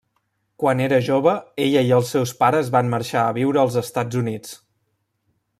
Quan era jove, ella i els seus pares van marxar a viure als Estats Units.